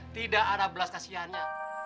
tidak ada belas kasihannya